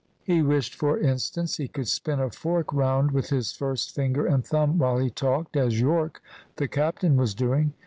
He wished, for instance, he could spin a fork round with his first finger and thumb while he talked, as Yorke, the captain, was doing.